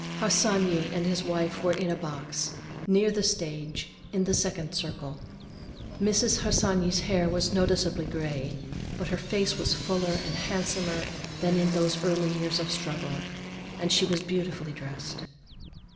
Harsanyi and his wife were in a box, near the stage, in the second circle. Mrs. Harsanyi's hair was noticeably gray, but her face was fuller and handsomer than in those early years of struggle, and she was beautifully dressed.